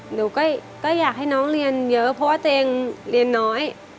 หนูก็อยากให้น้องเรียนเยอะเพราะว่าตัวเองเรียนน้อย